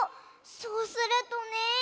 そうするとね。